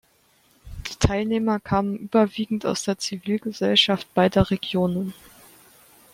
Die Teilnehmer kamen überwiegend aus der Zivilgesellschaft beider Regionen.